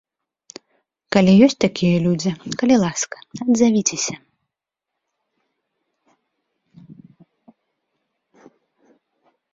Калі ёсць такія людзі, калі ласка, адзавіцеся!